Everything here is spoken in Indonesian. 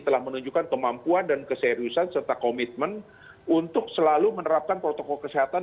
telah menunjukkan kemampuan dan keseriusan serta komitmen untuk selalu menerapkan protokol kesehatan